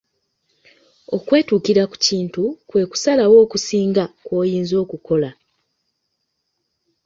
Okwetuukira ku kintu kwe kusalawo okusinga kw'oyinza okukola.